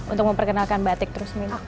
untuk memperkenalkan batik terus minggu